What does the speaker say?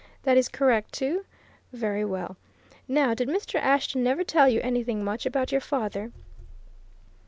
That is correct too? Very well. Now, did Mr. Ashton never tell you anything much about your father?"